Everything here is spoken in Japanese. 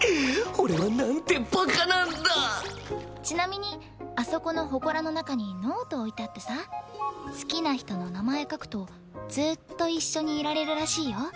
ちなみにあそこの祠の中にノート置いてあってさ好きな人の名前書くとずっと一緒にいられるらしいよ。